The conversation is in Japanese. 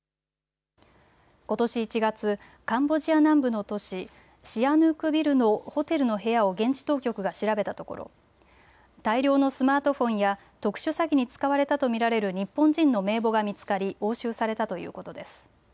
ことし１月、カンボジア南部の都市、シアヌークビルのホテルの部屋を現地当局が調べたところ大量のスマートフォンや特殊詐欺に使われたと見られる日本人の名簿が見つかり押収されたということです。